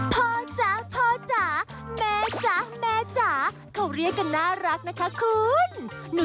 โปรดติดตามตอนต่อไป